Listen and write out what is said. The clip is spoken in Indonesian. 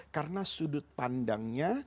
karena sudut pandangnya